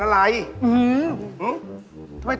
ราคาไม่แพง